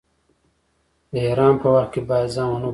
د احرام په وخت کې باید ځان و نه ګروئ.